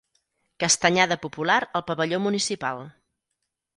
Castanyada popular al pavelló municipal.